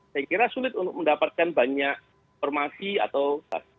saya kira sulit untuk mendapatkan banyak informasi atau